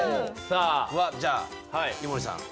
じゃあ、井森さん。